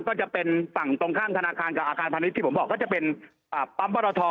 ก็จะเป็นฝั่งตรงข้ามธนาคารกับอาคารพาณิชย์ที่ผมบอกก็จะเป็นปั๊มปรท